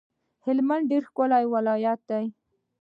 هلمند ډیر ښکلی ولایت دی